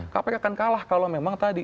kpk akan kalah kalau memang tadi